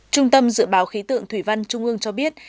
trung tâm dự báo khí tượng thủy văn trung ương cho biết